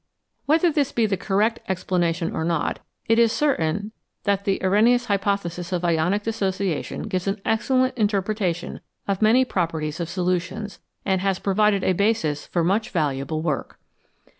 Whether this be the correct explanation or not, it is certain that the Arrhenius hypothesis of ionic dissociation gives an excellent in terpretation of many properties of solutions, and has provided a basis for much valuable work.